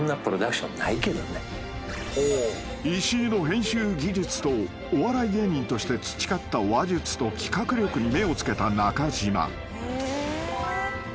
［石井の編集技術とお笑い芸人として培った話術と企画力に目を付けたなかじま］